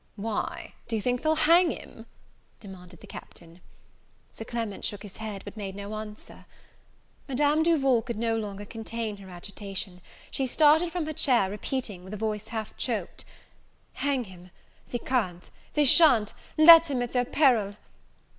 "Why, do you think they'll hang him?" demanded the Captain. Sir Clement shook his head, but made no answer. Madame Duval could no longer contain her agitation; she started from her chair, repeating, with a voice half choked, "Hang him! they can't, they sha'n't let them at their peril!